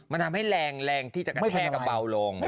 มันทำให้แรงที่จะกระแทกกระเป๋าลง